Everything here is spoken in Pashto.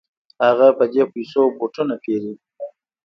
هغه په دې پیسو بوټان پيري.